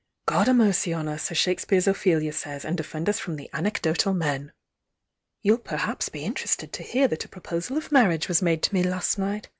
God a' mercy on us, as Shakespeare's Ophelia says, ana defend us from the ap»cdotal men! "You'll perhaps be interested to hear that a pro posal of marriage was made to me last night.